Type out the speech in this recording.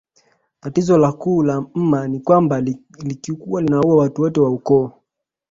Tatizo la kuu la mma ni kwamba lilikuwa linaua watu wote wa ukoo